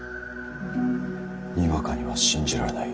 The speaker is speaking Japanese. にわかには信じられない。